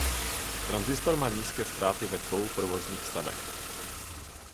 Tranzistor má nízké ztráty ve dvou provozních stavech.